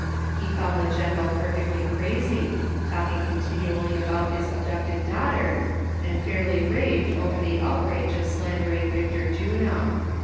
lie found the general perfectly ci'azy, talking continually about his abducted daughter, and fairly raved over the outrage of slandering Victor Juno.